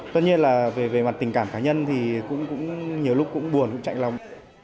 tất nhiên là về mặt tình cảm cá nhân thì cũng nhiều lúc cũng buồn cũng chạy lòng